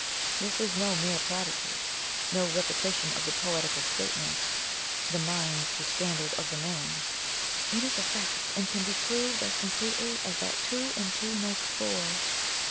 This is no mere platitude no repetition of the poetical statement 'THE MIND'S THE STANDARD OF THE MAN;' it is a fact, and can be proved as completely as that two and two make four.